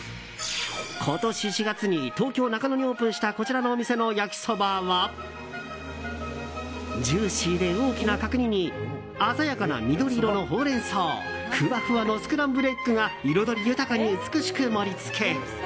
今年４月に東京・中野にオープンしたこちらのお店の焼きそばはジューシーで大きな角煮に鮮やかな緑色のホウレンソウふわふわのスクランブルエッグが彩り豊かに美しく盛り付け。